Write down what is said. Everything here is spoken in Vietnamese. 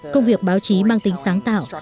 công việc báo chí mang tính sáng tạo